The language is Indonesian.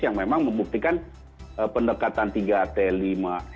yang memang membuktikan pendekatan tiga t lima